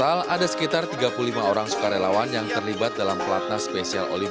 pada saat ini para sukarelawan berkumpul dengan para atlet